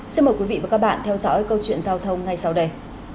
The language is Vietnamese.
xin mời quý vị và các bạn theo dõi câu chuyện giao thông ngay sau đây